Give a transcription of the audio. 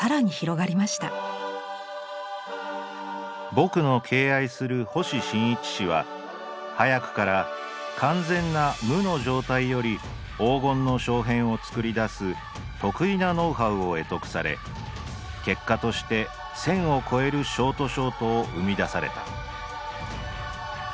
「僕の敬愛する星新一氏は早くから完全な『無』の状態より黄金の小片を作り出す特異なノウハウを会得され結果として１，０００を超えるショートショートを生み出された。